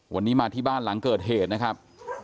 วันนี้มาที่บ้านหลังเกิดเหตุนะครับ